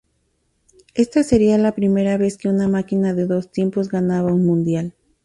Esta sería la primera vez que una máquina de dos tiempos ganaba un Mundial.